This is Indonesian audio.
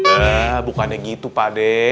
eh bukannya gitu pak de